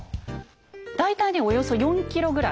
大体ねおよそ４ｋｇぐらい。